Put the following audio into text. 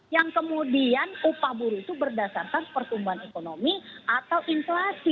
yang kemudian upah buruh itu berdasarkan pertumbuhan ekonomi atau inflasi